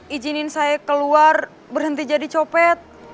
izinin saya keluar berhenti jadi copet